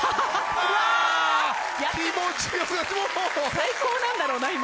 最高なんだろうな今。